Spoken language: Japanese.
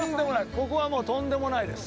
ここは、もうとんでもないです。